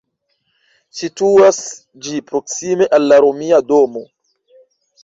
Situas ĝi proksime al la Romia domo.